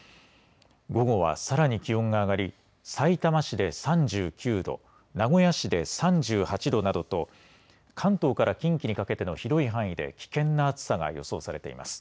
午後はさらに気温が上がりさいたま市で３９度、名古屋市で３８度などと関東から近畿にかけての広い範囲で危険な暑さが予想されています。